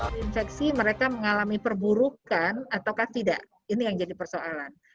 terinfeksi mereka mengalami perburukan atau tidak ini yang jadi persoalan